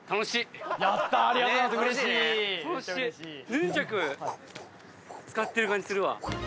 ヌンチャク使ってる感じするわ。